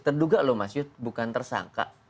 terduga loh mas yud bukan tersangka